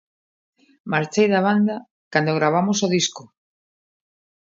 Marchei da banda cando gravamos o disco.